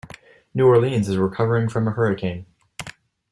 New Orleans is recovering from a hurricane.